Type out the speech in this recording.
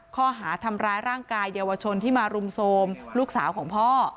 ข้อหาทำร้ายร่างกายเยาวชนที่มารุมโทรมลูกสาวของพ่อ